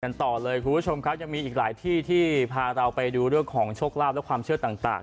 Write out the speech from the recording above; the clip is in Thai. ต่อเลยคุณผู้ชมครับยังมีอีกหลายที่ที่พาเราไปดูเรื่องของโชคลาภและความเชื่อต่าง